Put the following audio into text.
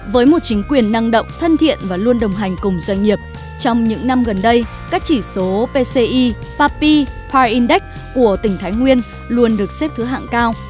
với một chính quyền năng động thân thiện và luôn đồng hành cùng doanh nghiệp trong những năm gần đây các chỉ số pci papi po index của tỉnh thái nguyên luôn được xếp thứ hạng cao